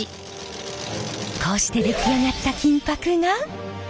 こうして出来上がった金箔が。